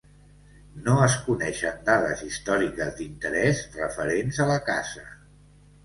No es coneixen dades històriques d'interès referents a la casa.